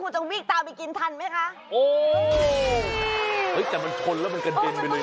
คุณจะวิ่งตามไปกินทันไหมคะโอ้เฮ้ยแต่มันชนแล้วมันกระเด็นไปเลย